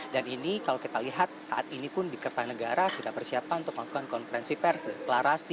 dan ini kalau kita lihat saat ini pun di kertanegara sudah persiapan untuk melakukan konferensi pers deklarasi